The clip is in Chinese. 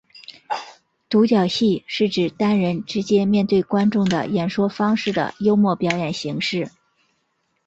独角戏是指单人直接面对观众的演说式的幽默表演形式。